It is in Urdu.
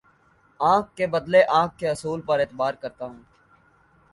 آنکھ کے بدلے آنکھ کے اصول پر اعتبار کرتا ہوں